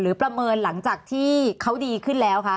ประเมินหลังจากที่เขาดีขึ้นแล้วคะ